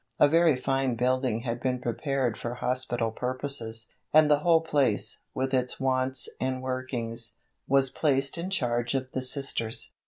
A very fine building had been prepared for hospital purposes, and the whole place, with its wants and workings, was placed in charge of the Sisters.